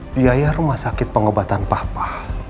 biaya rumah sakit pengobatan papa